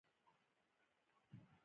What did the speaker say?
لکه اختر چې ناڅاپه راغلی وي.